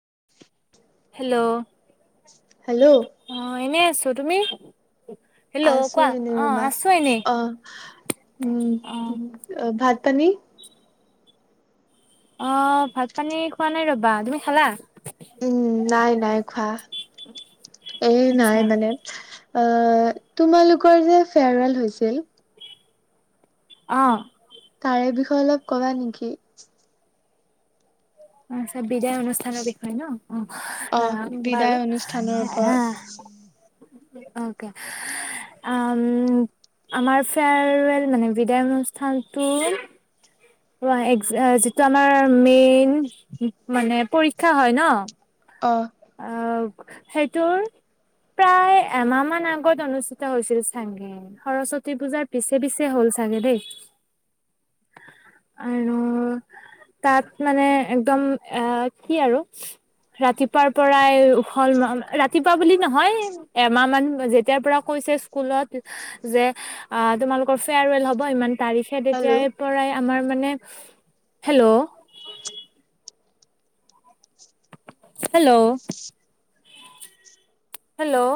[inaudible] Hello, hello অ এনে আছো। তুমি? হেল্ল' কোৱা আছো এনে অ ৰবা। আছো এনেই অ, উম অ ভাত টানি অ, ভাত-পানী খোৱা নাই ৰবা। তুমি খালা? উম। নাই, নাই খোৱা এই নাই আচ্ছা মানে অহ তোমালোকৰ যে ফেয়ৰৱেল হৈছিল অ তাৰে বিষয়ে অলপ কবা নেকি? আচ্চা, বিদায় অনুষ্ঠানৰ বিষয়ে ন? অ বিদায় বাৰু অনুষ্ঠানৰ ওপৰত অ অকে। আমাৰ ফেয়াৰৱেল মানে বিদায় অনুষ্ঠানটো অ, যিটো আমাৰ মেইন মানে পৰীক্ষা হয় ন অ' অ সেইটোৰ প্ৰায় এমাহ মান আগত অনুষ্ঠিত হৈছিল চাগে। সৰস্বতী পূজাৰ পিছে- পিছে হ'ল চাগে দেই। আৰু তাত মানে একদম এ কি আৰু ৰাতিপুৱ পাৰ পৰাই হল। ৰাতিপুৱা বুলি নহয় এমাহ মান, যেতিয়াৰ পৰা কৈছে স্কুলত যে তোমালোকৰ ফেয়াৰৱেল হ'ব ইমান তাৰিশাই হেল্ল' তেতিয়াৰ পৰাই আমাৰ মানে, হেল্ল' হেল্ল' হেল্ল'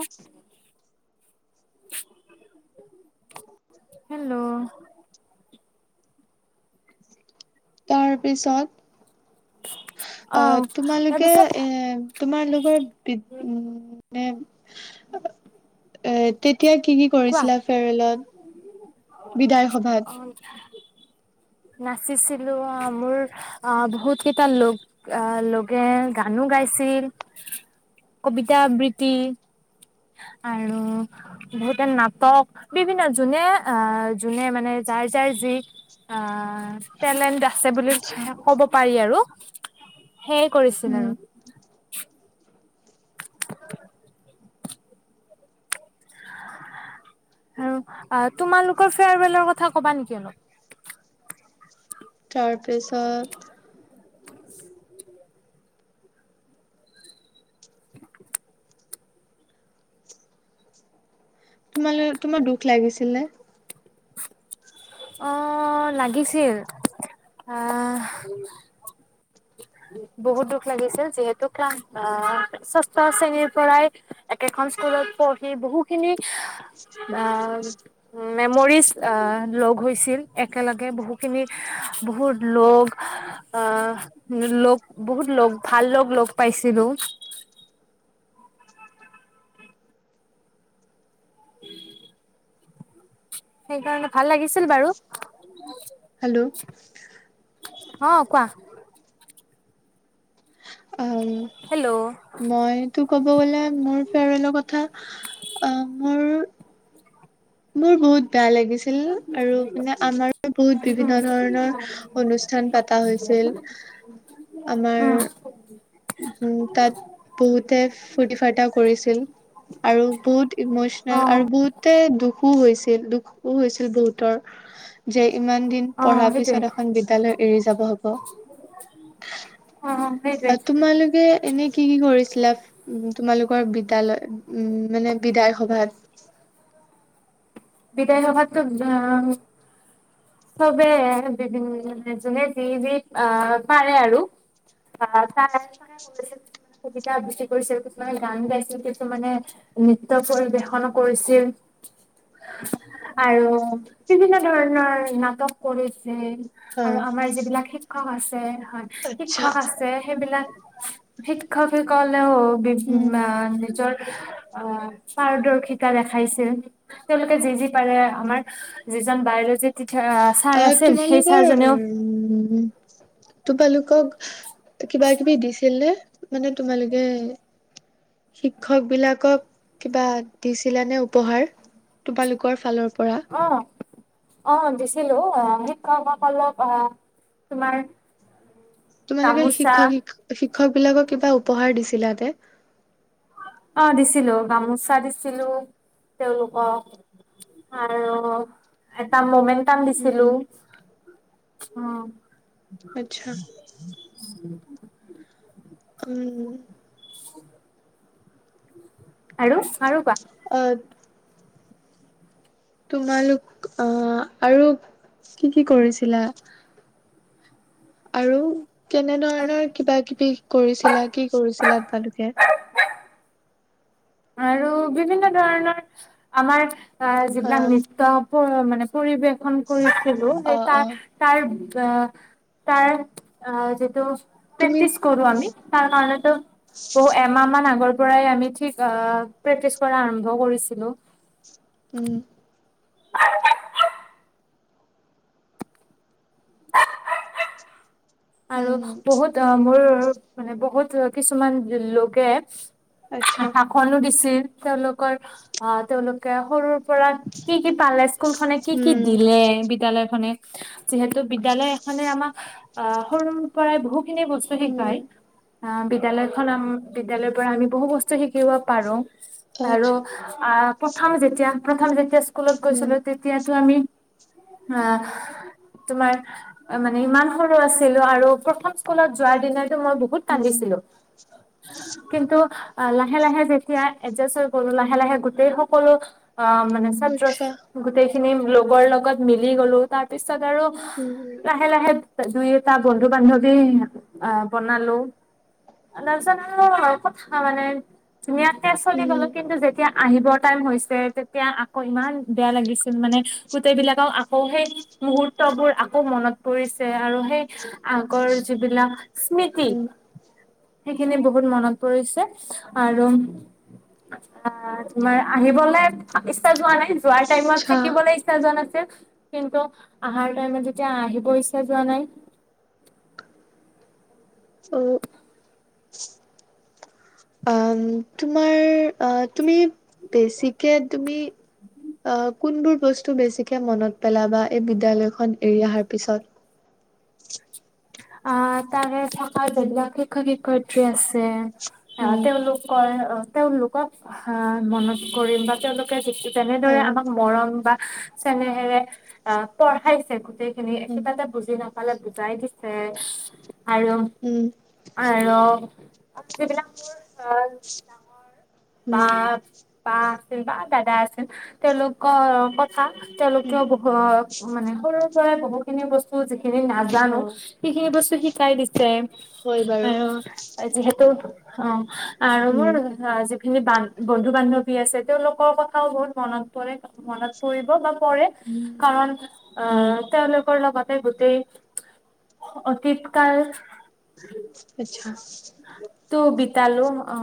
[inaudible] হেল্ল' তাৰ পিছত অ, তোমালোকে তাৰপিছত এ তোমালোকৰ বি উ নে এ তে তেতিয়া কি কি কোৱা কৰিছিলা ফেয়াৰৱেলত বিদায় সভাত অ নাচিছিলো আহ মোৰ আহ বহুত কেইটা ল আহ লগে গানো গাইছিল কবিতা আবৃত্তি আৰু বহুত যেনেকে নাটক বিভিন্ন যোনে আহ যোনে মানে যাৰ যাৰ যি অ টেলেণ্ট আছে বুলি আচ্ছা ক'ব পাৰি আৰু সেইয়ে কৰিছিল উম আৰু হুমচ আৰু আ তোমালোকৰ ফেয়াৰৱেলৰ কথা কবা নেকি অলপ তাৰপিছত তোমালৈ তোমাৰ দুখ লাগিছিল নে অ লাগিছিল অ বহুত দুখ লাগিছিল যিহেতু্ ক্লাছ অ ষষ্ঠ শ্ৰেণীৰ পৰাই একেখন স্কুলত পঢ়ি বহুখিনি আ মেমৰিজ আ লগ হৈছিল একেলগে বহু খিনি বহুত লগ আহ লগ বহুত লগ ভাল লগ লগ পাইছিলো সেইকাৰণে ভাল লাগিছিল বাৰু হেল্ল' অ কোৱা হেল্ল' মই তো ক'ব গলে মোৰ ফেৰৱেলৰ কথা আহ মোৰ মোৰ বহুত বেয়া লাগিছিল আৰু মানে আমাৰো বহুত বিভিন্ন ধৰণৰ অনুষ্ঠান পতা হৈছিল আমাৰ উম তাত বহুতে ফূৰ্তি ফাৰ্তা কৰিছিল আৰু বহুত অ ইমচনেল আৰু বহুত তে দুখ সু হৈছিল দুখো হৈছিল বহুতৰ যে ইমান দিন অ পঢ়াৰ সেইটোৱে পিছত এখন বিদ্য়ালয় এৰি যাব হব অ সেইটোৱে এ তোমালোকে এনে কি কি কৰিছ বোলে তোমালোকৰ বিদ্যালয় উ মানে বিদায় সভাত বিদায় সভাতো অ চবে বিভি যোনে যি যি আহ পাৰে আৰু তাৰে কৰিছিল কিছুমানে কবিতা আবৃত্তি কৰিছিল কিছুমানে গান গাইছিল কিছুমানে নৃত্য পৰিবেশন কৰিছিল আৰু বিভিন্ন ধৰণৰ নাটক কৰি ছিল হা আৰু আমাৰ যিবিলাক সে শিক্ষক আছে হয় আচ্ছা। শিক্ষক আছে সেইবিলাক শিক্ষক শিক্ষ য়িত্ৰীয়েও উম, বিভিন্ন এ নিজৰ অ পাৰদৰ্শিতা দেখাইছিল তেওঁলোকে যি-যি পাৰে আমাৰ যিজন বায়লজি তেতিয়া অ ছাৰ আছিল সেই তোমালোকৰ ছাৰজনেও উম তোমালোকক কিবা-কিবি দিছিল নে? মানে তোমালোকে, শিক্ষক বিলাকক কিবা দিছিলানে উপহাৰ, তোমালোকৰ ফালৰ পৰা? অ। অ, দিছিলো অ, শিক্ষকসকলক অ, তোমাৰ তোমালোকে গামোচা শিক্ষক শি-শিক শিক্ষক বিলাকক কিবা উপহাৰ দিছিলাতে? অ, দিছিলো গামোচা দিছিলো তেওঁলোকক, আৰু এটা মমেন্ট টান দিছিলো। উম অ। আচ্ছা। উম। [inaudible] আৰু, আৰু কোৱা? অ। তোমালোক, অ', আৰু কি কি কৰিছিলা? আৰু? কেনে ধৰণৰ কিবা-কিবি? কৰিছিলা, কি কৰিছিলা আপালোকে? আৰু বিভিন্ন ধৰণৰ, আমাৰ অ, হা যিবিলাক নৃত্য পৰ মানে পৰিৱেশ খন কৰিছিলো সেই, অ অ তাৰ-তাৰ অ, তাৰ যিটো তুমি প্ৰেক্টিচ কৰো আমি তাৰ কাৰণে বহু এমাহ মান আগৰ পৰাই আমি ঠিক অ প্ৰেক্টিচ কৰা আৰম্ভ কৰিছিলো। উম [inaudible] বক-বক আৰু উম বহুত অ, মোৰ মানে বহুত কিছুমান লোকে আচ্ছা শাসনো দিছিল। তেঁওলোক অৰ, অ তেওঁলোক কেহৰুৰ পৰা কি কি পালে স্কুল খনে কি কি উম দিলে বিদ্যালয় খনে [inaudible] যিহেতু বিদ্যালয় এখনে আমাক অ [unintelligible] পৰাই বহুত বস্তু উম শিকায় বিদ্যালয়খনম বিদ্যালয়ৰ পৰা আমি বহু বস্তু শিকিব পাৰো আৰু আচ্ছা আ প্ৰথম যেতিয়া প্ৰথম যেতিয়া স্কু- স্কুলত উম গৈছিলো তেতিয়াতো আমি অ তোমাৰ মানে ইমান সৰু আছে ছিলো আৰু প্ৰথম স্কুলত যোৱাৰ দিনাত মই বহুত উম কান্দিছিলো কিন্তু লাহে লাহে যেতিয়া এডজাষ্ট হৈ গলো লাহে লাহে গোটেই সকলো অ মানে ছাত্ৰ আচ্ছা ছ গোটেই খিনি লগৰ লগত মিলি গ'লো তাৰ পিছত তাৰছত আৰু উম লাহে লাহে ত দুই তাৰ বন্ধু বান্ধৱী আহ বনালো তাৰপিছ কথা মানে তুমি ইতে চলি উম গলো কিন্তু যেতিয়া আহিব টাইম হৈছে তেতিয়া আকৌ ইমান বেয়া লাগিছিল মানে গোটেইবিলাকক আকৌ সেই মুহুৰ্তবোৰ আকৌ মনত পৰিছে আৰু সেই আগৰ যিবিলাক স্মৃতি উম সেইখিনি বহুত বহুত মনত পৰিছে আৰু আহ তোমাৰ আহিবলৈ ইচ্ছা যোৱা নাই যোৱাৰ টাইমত আচ্ছা থাকিবলৈাগচ্ছ জান কিন্তু আহাৰ টাইমত যেতিয়া আহিব ইচ্ছা যোৱা নাই অ অ তোমাৰ তুমি বে কে তুমি আহ কোনবোৰ বস্তু বেছিকে মনত পেলাবা এই বিদ্যালয়খন এৰি অহাৰ পিছত অ তাৰে থকা বগিলাক শিক্ষক শিক্ষয়িত্ৰী আছে অ উম তেওঁলোক ক অ তেওঁলোকক অ মনত কৰিম বা তেওঁলোকে য হা তেনেদৰে আমাক মৰম বা চনেহেৰে অ পঢ়াইছে গোটেই খি উম কিবাতে বুজি ন পালে বুজাই দিছ ছে। আৰু উম আৰু আৰু যিবিলাক মোৰ অ ডাঙৰ পা উম পা আছিল বা দাদা আছিল। তেওঁলোকৰ ক থা উম তেওঁলোকেও বহ মানে সৰু [unintelligible] বহুখিনি বস্তু যি খিনি অ নাজানোঁ, সেইখিনি বস্তু শিকাই দিছে হয় বাৰু আৰু যিহেতু অ আৰু উম মোৰ আ যি খিনি বান বন্ধু-বান্ধৱী আছে, তেওঁলোকৰ কথাও বহুত মনত পৰে। মনত পৰিব বা পৰে, উম কাৰণ অ উম তেওঁলোকৰ লগত গোটেই অতীত কাল আচ্ছা! তো বিতালোঁ। অ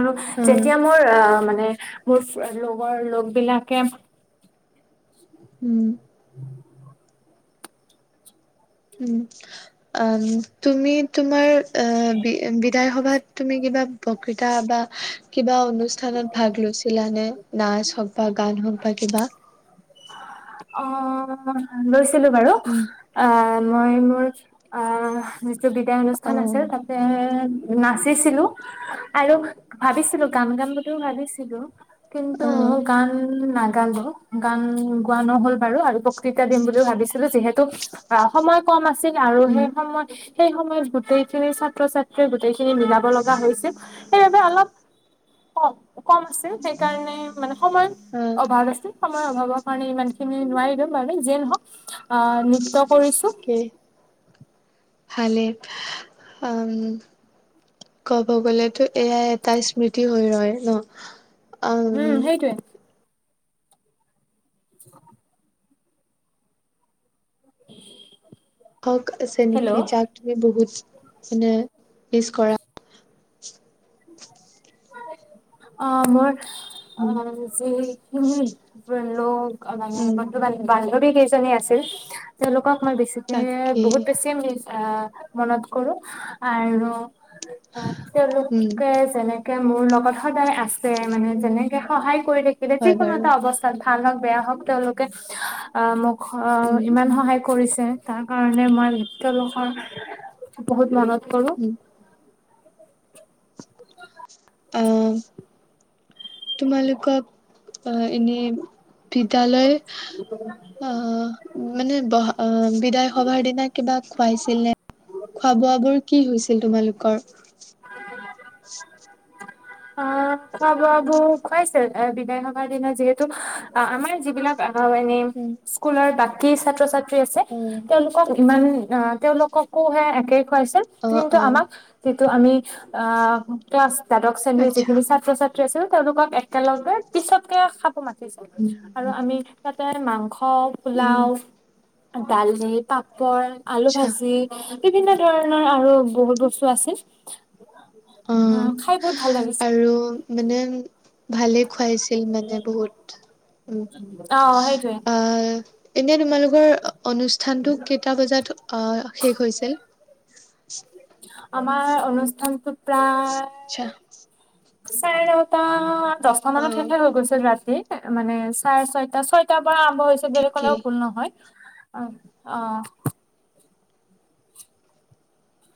আৰু হা যেতিয়া মোৰ অ মানে মোৰ ফ্ৰ লগৰ লগ বিলাকে উম [inaudible] উম আম তুমি তোমাৰ অ বি বিধায় সভাত তুমি কিবা বক্তৃতা বা কিবা অনুষ্ঠানত ভাগ লৈছিলানে? নাচ হওঁক বা গান হওঁক বা কিবা অ লৈছ ছিলোঁ বাৰু উম আ মই মোৰ আ যিটো বিদায় অ অনুষ্ঠান আছিল তাতে নাচিছিলোঁ আৰু ভাবিছিলোঁ গান গাম বুলিওঁ ভাবিছিলোঁ। কিন্তু অ মই গান নাগ গালো। গান গোৱা নহ'ল বাৰু আৰু বক বক্তৃতা দিম বুলিও ভাবিছিলোঁ। যিহেতু অ সময় কম আছিল আৰু উম সেই সময় সেই সময়ত গোটেইখিনি ছাত্ৰ-ছাত্ৰীয়ে গোটেই খিনি মিলাব লগা হৈছিল। সেইবাবে অলপ অ কম আছিল সেইকাৰণে মানে সময়ৰ অ অভাৱ আছিল সময়ৰ অভাৱৰ কাৰণে ইমান খিনি নোৱাৰিলো বাৰু যিয়ে নহওক [unintelligible] কৰিছোঁ ভালে‌ উম কব গলেতো এয়াই এটা স্মৃতি হৈ ৰয় ন। উম সেইটোৱে। [inaudible] [inaudible] হক আছে নেকি হেল্ল' যাক তুমি বহুত মানে মিছ কৰা অ মোৰ অ উম যিকোনো লোক মানে উম বন্ধু বান বান্ধৱী কেইজন আছিল তেওঁলোকক মই বেছিকে তাকে বহুত বেছি মিছ আ মনত কৰো আৰু উম তেওঁলোকে যেনেকে মোৰ লগত সদায় আছে মানে যেনেকে সহায় কৰি থাকিলে হয় যিকোনো বাৰু এটা অৱস্থা ভাল হওঁক বেয়া হওঁক তেওঁলোকে অ মোক অ উম ইমান উম সহায় কৰিছে তাৰ কাৰণে মই তেওঁলোকৰ বহুত মনত কৰো অ তোমালোকক অ এনেই বিদ্যালয় অ মানে বহ বিদায় সভাৰ দিনা কিবা খুৱাইছিল নে? খোৱা বোৱাবোৰ কি হৈছিল তোমালোকৰ? [inaudible] অ খোৱা বোৱাবোৰ খুৱাইছে বিদায় সভাৰ দিনাত যিহেতু অ আমাৰ যিবিলাক এনে উম স্কুলৰ বাক কি ছাত্ৰ ছাত্ৰী আছে অ তেওঁলোক ইমান অ তেওঁলোকো হে একেই খুৱাইছিল অ কিন্তু অ আমাক তো আমি ক্লাছ [unintelligible] এছেম্বলীৰ আচ্ছা যিখিনি ছাত্ৰ ছাত্ৰী আছিল তেওঁলোকক একেলগে পিছতকে মাতিছিলো আৰু আমি তাতে মাংস অঁ উম পোলাও। দালি পাপ পৰ আলু আচ্ছা ভাজি। বিভিন্ন ধৰণৰ আৰু বহুত বস্তু আছিল। অ খাই বহুত ভাল লাগিছিল আৰু মানে ভালে খুৱাইছে। মানে বহুত উম অ সেইটোৱে আ এনেই তোমালোকৰ অনুষ্ঠানটো কেইটা বজাত আ শেষ হৈছিল? [inaudible] আমাৰ অনুষ্ঠানটোত আচ্ছা চাৰে নটা দহটা অ মানত শেষে হৈ গৈছিল ৰাতি। মানে চাৰে ছয়টা ছয়টা পৰা আৰম্ভ হৈছে বুলি ঠিকেই কলেও ভুল নহয়। অ অ,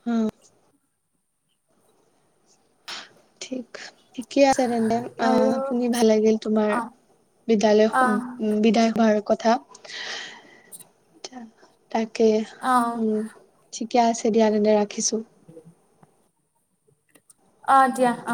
হম। ঠিক ঠিকে আছে তেন্তে, আ আৰু শুনি ভাল লাগিল তোমাৰ অ', বিদ্যালয় খন, অ', বিদায় হোৱাৰ কথা, তাকে, অ', উম, ঠি ঠিকে আছে দিয়া তেন্তে ৰাখিছোঁ। অ দিয়া অ।